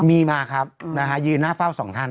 มีมาครับยืนหน้าเฝ้าสองท่าน